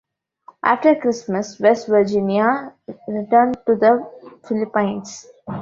After Christmas, "West Virginia" returned to the Philippines.